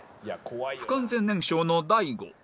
不完全燃焼の大悟